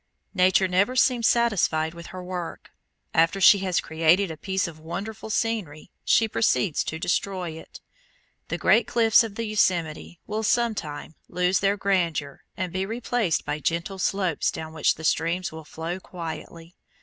Nature never seems satisfied with her work. After she has created a piece of wonderful scenery she proceeds to destroy it. The great cliffs of the Yosemite will sometime lose their grandeur and be replaced by gentle slopes down which the streams will flow quietly.